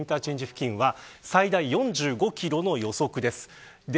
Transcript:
付近は最大４５キロの予測です。